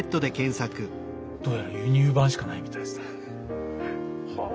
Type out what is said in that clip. どうやら輸入盤しかないみたいですね。